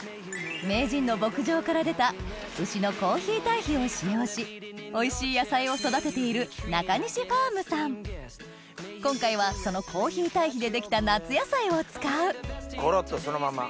名人の牧場から出た牛のコーヒー堆肥を使用しおいしい野菜を育てている今回はそのコーヒー堆肥で出来た夏野菜を使うゴロっとそのまま。